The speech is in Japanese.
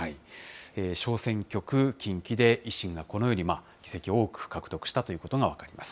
小選挙区、近畿で維新が、このように議席を多く獲得したということが分かります。